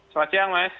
selamat siang mas